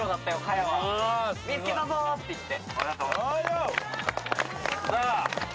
「見つけたぞー！」っていって。